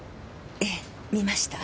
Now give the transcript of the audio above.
ええ見ました。